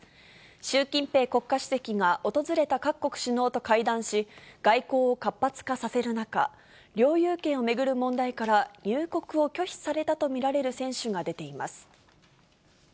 習近平国家主席が訪れた各国首脳と会談し、外交を活発化させる中、領有権を巡る問題から、入国を拒否されたと見られる選手が出ています。